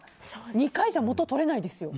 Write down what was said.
２回じゃ元取れないですよ。